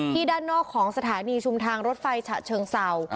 ด้านนอกของสถานีชุมทางรถไฟฉะเชิงเศร้า